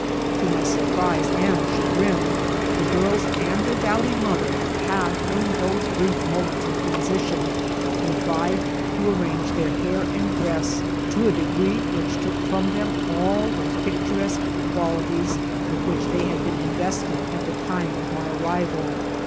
To my surprise and chagrin, the girls and their dowdy mother had, in those brief moments of transition, contrived to arrange their hair and dress to a degree which took from them all those picturesque qualities with which they had been invested at the time of my arrival.